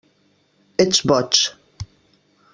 Ets boig.